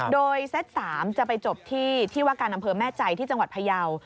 โดยเซต๓จะไปจบที่ที่ว่าการอำเภอแม่ใจที่จังหวัดพยาว